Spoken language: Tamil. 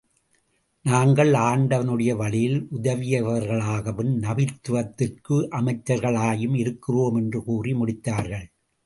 நாங்கள் ஆண்டவனுடைய வழியில் உதவியவர்களாயும், நபித்துவத்திற்கு அமைச்சர்களாயும் இருக்கின்றோம் என்று கூறி முடித்தார்கள்.